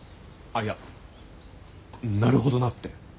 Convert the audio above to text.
あっいやなるほどなって。